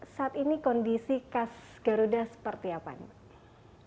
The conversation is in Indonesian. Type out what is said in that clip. saat ini kondisi kas garuda seperti apa nih